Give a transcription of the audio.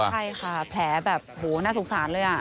ใช่ค่ะแผลแบบโหน่าสุขสานเลยอ่ะ